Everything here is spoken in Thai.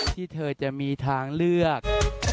ที่เธอจะมีทางเลือก